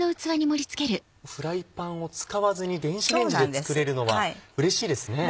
フライパンを使わずに電子レンジで作れるのはうれしいですね。